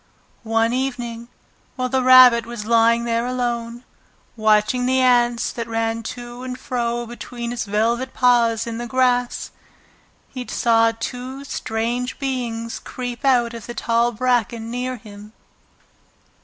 One evening, while the Rabbit was lying there alone, watching the ants that ran to and fro between his velvet paws in the grass, he saw two strange beings creep out of the tall bracken near him.